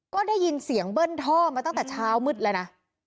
ก็ได้ยินเสียงเบิ้ลท่อมาตั้งแต่เช้ามืดแล้วนะ